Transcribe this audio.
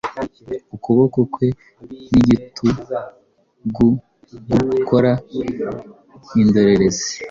Ukuboko kwe nigitugugukora nkindorerezi